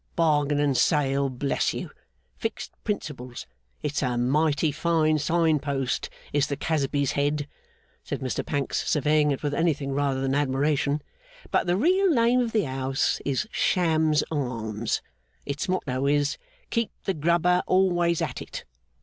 Bargain and sale, bless you! Fixed principles! It's a mighty fine sign post, is The Casby's Head,' said Mr Pancks, surveying it with anything rather than admiration; 'but the real name of the House is the Sham's Arms. Its motto is, Keep the Grubber always at it.